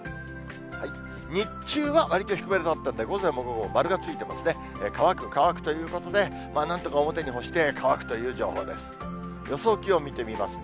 日中はわりと低めになったんで、午前も午後も丸がついてますね、乾く、乾くということで、なんとか表に干して乾くという情報です。